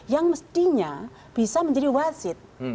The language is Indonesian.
yang mestinya bisa menjadi wasit